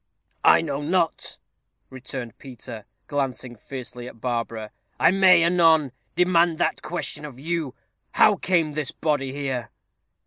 "I know not," returned Peter, glancing fiercely at Barbara; "I may, anon, demand that question of you. How came this body here?"